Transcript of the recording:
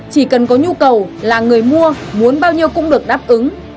chỉ cần có nhu cầu là người mua muốn bao nhiêu cũng được đáp ứng